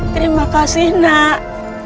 terima kasih nek